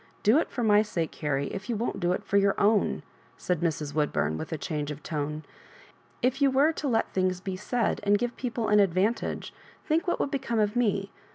Do it for my sake, Harry, if you won't do it for your own," said Mrs. Woodbum, with s change of tone. " If you were to let things be 8ai4, and give peo ple an advantage, think what would become of me.